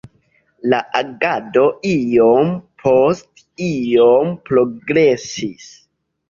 La agado iom post iom progresis.